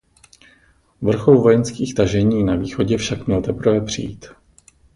Vrchol vojenských tažení na východě však měl teprve přijít.